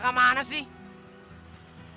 oh seraga mana sih